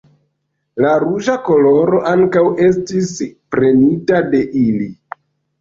La ruĝa koloro ankaŭ estis prenita de ili.